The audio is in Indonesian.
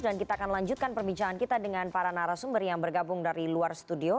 dan kita akan lanjutkan perbincangan kita dengan para narasumber yang bergabung dari luar studio